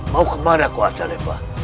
mau kemana ku atalepa